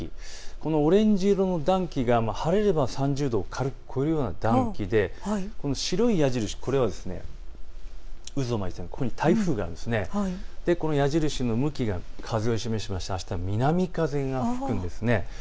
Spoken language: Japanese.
このオレンジ色の暖気が晴れれば３０度を軽く超えるような暖気で白い矢印、これは渦を巻いていてこの台風が矢印の向き、風を示しました南風が吹くんです。